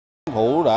tổng doanh thu đã có